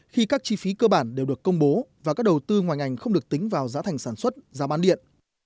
khi các chi phí cơ bản đều được công bố và các đầu tư ngoài ngành không được tính vào giá thành sản xuất giá bán điện